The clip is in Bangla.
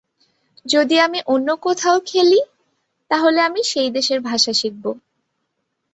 যদি আমি অন্য কোথাও খেলি, তাহলে আমি সেই দেশের ভাষা শিখব।